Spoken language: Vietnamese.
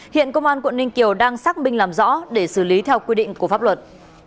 hiện công an quận ninh kiều đang xác minh làm rõ để xử lý theo quy định của pháp luật